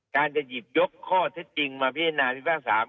การจะหยิบยกข้อเท็จจริงมาพิจารณาพิพากษา